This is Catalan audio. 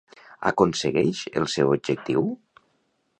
Aconsegueix el seu objectiu?